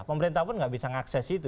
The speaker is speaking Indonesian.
pemerintah pun nggak bisa mengakses itu